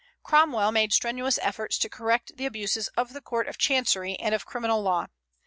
Cromwell made strenuous efforts to correct the abuses of the court of chancery and of criminal law.